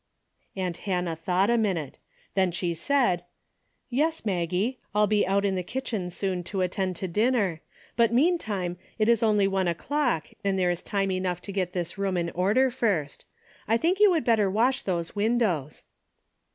Aunt Hannah thought a minute. Then she said :" Yes, Maggie, I'll be out in the kitchen soon to attend to dinner, but meantime it is only one o'clock and there is time enough to get this room in order first. I think you would better wash those windows."